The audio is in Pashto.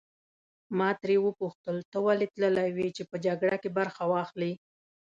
ما ترې وپوښتل ته ولې تللی وې چې په جګړه کې برخه واخلې.